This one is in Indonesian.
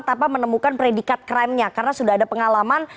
tapi menemukan predikat kerennya karena sudah ada pengalaman